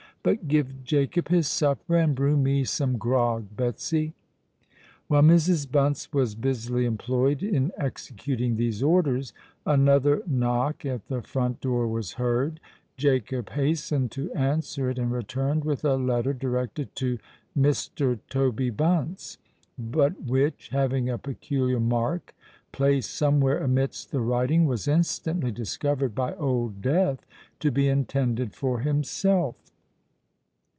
But give Jacob his supper—and brew me some grog, Betsy." While Mrs. Bunce was busily employed in executing these orders, another knock at the front door was heard. Jacob hastened to answer it, and returned with a letter directed to "MR. TOBY BUNCE;" but which, having a peculiar mark placed somewhere amidst the writing, was instantly discovered by Old Death to be intended for himself.